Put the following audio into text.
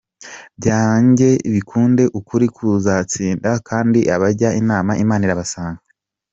Byange bikunde ukuri kuzatsinda kandi abajya inama Imana irabasanga.